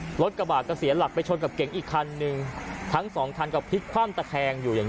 รถกระบาดก็เสียหลักไปชนกับเก๋งอีกคันหนึ่งทั้งสองคันก็พลิกคว่ำตะแคงอยู่อย่าง